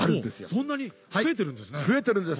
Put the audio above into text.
そんなに！増えてるんですね。